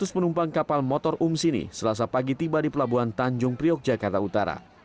dua ratus penumpang kapal motor ums ini selasa pagi tiba di pelabuhan tanjung priok jakarta utara